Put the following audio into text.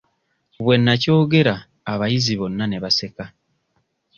Bwe nnakyogera abayizi bonna ne baseka.